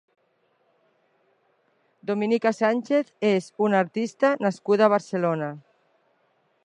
Dominica Sánchez és una artista nascuda a Barcelona.